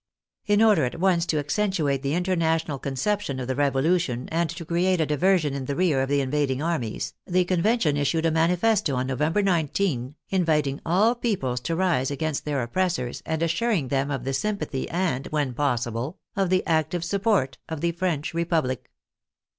In order at once to accen tuate the international conception of the Revolution and to create a diversion in the rear of the invading armies, the Convention issued a manifesto on November 19, in viting all peoples to rise against their oppressors and as suring them of the sympathy and, when possible, of the active support of the French Republic.